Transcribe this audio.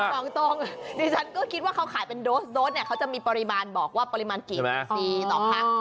บอกตรงดิฉันก็คิดว่าเขาขายเป็นโดสโดสเนี่ยเขาจะมีปริมาณบอกว่าปริมาณกี่ฟรีต่อพัก